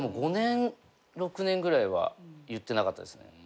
５年６年ぐらいは言ってなかったですね。